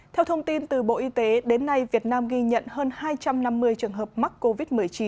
theo thông tin từ bộ y tế đến nay việt nam ghi nhận hơn hai trăm năm mươi trường hợp mắc covid một mươi chín